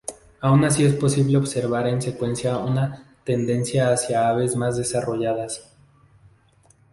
Aun así es posible observar en la secuencia una tendencia hacia aves más desarrolladas.